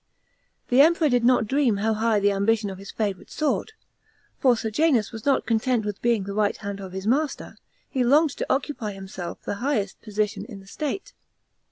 The Emperor did not dream how high the ambition of his favourite soared. For Sejanus was not content with being the right hand of his master; he longed to occupy himself the highest position in the state.